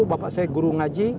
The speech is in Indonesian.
bapak saya guru ngaji